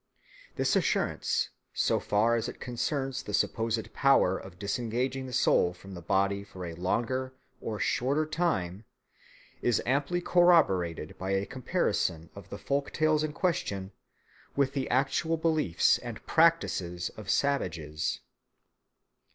This assurance, so far as it concerns the supposed power of disengaging the soul from the body for a longer or shorter time, is amply corroborated by a comparison of the folk tales in question with the actual beliefs and practices of savages.